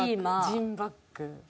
ジンバック。